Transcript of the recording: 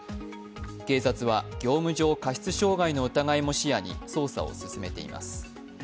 警察は業務上過失傷害の疑いも視野に調査を進めています。